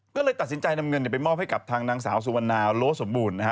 ก็เลยตัดสินใจนำเงินไปมอบให้กับทางนางสาวสุวรรณาโลสมบูรณ์นะฮะ